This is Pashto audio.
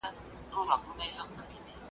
خره چی دا خبری واورېدې حیران سو ,